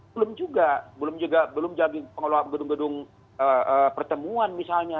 belum juga belum jaga belum jaga gedung gedung pertemuan misalnya